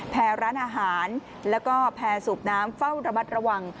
ร้านอาหารแล้วก็แพร่สูบน้ำเฝ้าระมัดระวัง